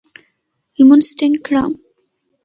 لمونځ ټینګ کړه !